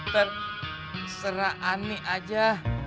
terserah ani aja